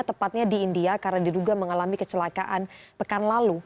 tepatnya di india karena diduga mengalami kecelakaan pekan lalu